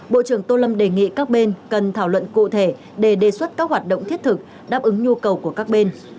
bộ trưởng tô lâm đề nghị các bên cần thảo luận cụ thể để đề xuất các hoạt động thiết thực đáp ứng nhu cầu của các bên